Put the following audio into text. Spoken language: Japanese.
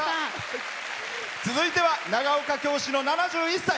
続いては長岡京市の７１歳。